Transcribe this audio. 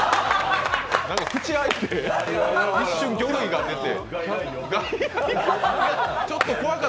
口開いて、一瞬魚類が出て。